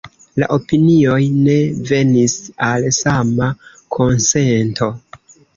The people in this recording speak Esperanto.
La opinioj ne venis al sama konsento.